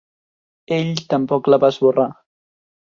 Ell tampoc la va esborrar.